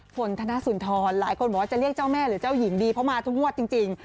ฝนธนสุนทรหลายคนบอกว่าจะเรียกเจ้าแม่หรือเจ้าหญิงดีเพราะมาทุกงวดจริง